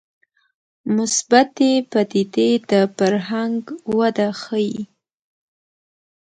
مثبتې پدیدې د فرهنګ وده ښيي